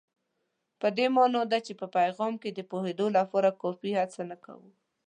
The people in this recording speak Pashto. په دې مانا ده چې په پیغام د پوهېدو لپاره کافي هڅه نه کوو.